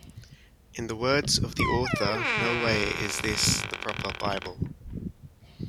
In the words of the author, No way is this the Proper Bible.